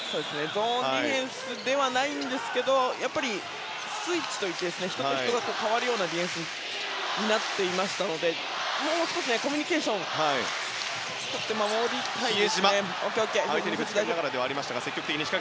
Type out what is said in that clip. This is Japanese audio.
ゾーンディフェンスではないんですけどスイッチと言って人と人が変わるようなディフェンスですのでコミュニケーションをとって守りたいですね。